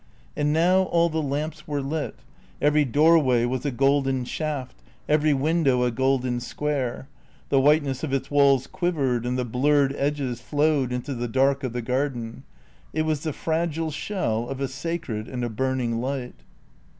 And now all the lamps were lit, every doorway was a golden shaft, every window a golden square; the whiteness of its walls quivered and the blurred edges flowed into the dark of the garden. It was the fragile shell of a sacred and a burning light.